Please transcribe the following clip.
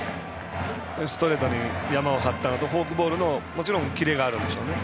ストレートにヤマを張ったあとフォークボールのキレがあるんでしょうね。